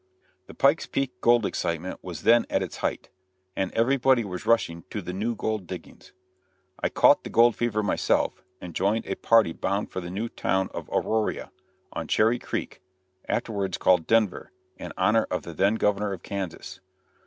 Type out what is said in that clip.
The Pike's Peak gold excitement was then at its height, and everybody was rushing to the new gold diggings. I caught the gold fever myself, and joined a party bound for the new town of Auraria, on Cherry Creek, afterwards called Denver, in honor of the then governor of Kansas.